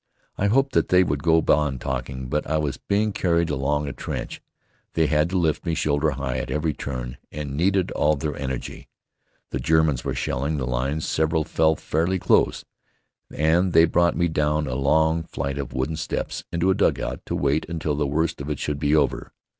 I hoped that they would go on talking, but I was being carried along a trench; they had to lift me shoulder high at every turn, and needed all their energy. The Germans were shelling the lines. Several fell fairly close, and they brought me down a long flight of wooden steps into a dugout to wait until the worst of it should be over.